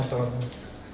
pengendara sepeda motor